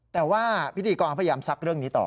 แต่ว่าพิธีกรพยายามซักเรื่องนี้ต่อ